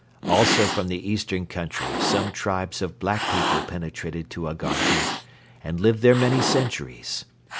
Also from the eastern country some tribes of black people penetrated to Agharti and lived there many centuries.